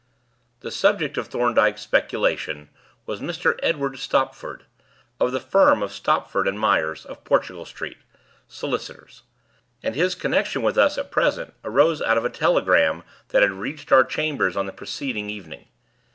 The subject of Thorndyke's speculations was Mr. Edward Stopford, of the firm of Stopford and Myers, of Portugal Street, solicitors, and his connection with us at present arose out of a telegram that had reached our chambers on the preceding evening.